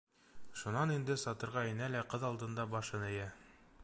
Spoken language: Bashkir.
Шунан инде сатырға инә лә ҡыҙ алдында башын эйә.